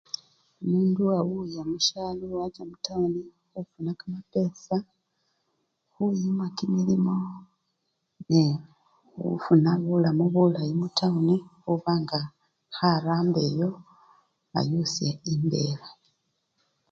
Omundu awuya musyalo wacha mutawuni khufuna kamapesa, khuyima kimilimo nende khufuna bulamu bulayi mutawuni khuba nga kharamba eyo, ayusya embela.